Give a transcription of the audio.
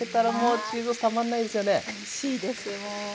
おいしいですもう。